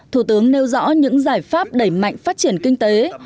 thủ tướng nêu rõ những giải pháp đẩy mạnh phát triển kinh tế